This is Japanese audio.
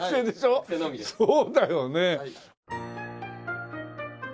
そうだよねえ。